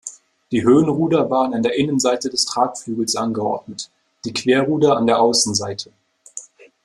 Die Höhenruder waren an der Innenseite des Tragflügels angeordnet, die Querruder an der Außenseite.